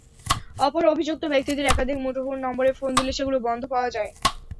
অপর অভিযুক্ত ব্যক্তিদের একাধিক মুঠোফোন নম্বরে ফোন দিলে সেগুলো বন্ধ পাওয়া যায়।